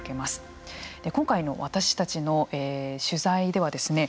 今回の私たちの取材ではですね